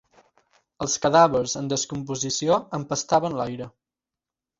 Els cadàvers en descomposició empestaven l'aire.